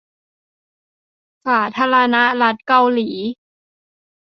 สาธารณรัฐเกาหลี